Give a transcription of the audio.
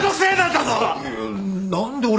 いや何で俺？